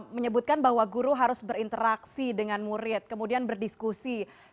menyebutkan bahwa guru harus berinteraksi dengan murid kemudian berdiskusi